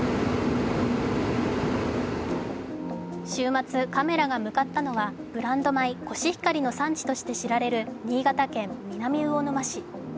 週末、カメラが向かったのは、ブランド米コシヒカリの産地として知られる新潟県南魚沼市。